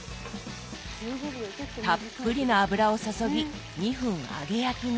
たっぷりの油を注ぎ２分揚げ焼きに。